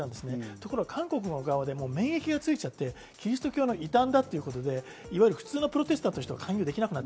ところが韓国の側でもう免疫がついちゃってキリスト教の異端だっていうことでいわゆる普通のプロテスターとしては勧誘できなくなっていた。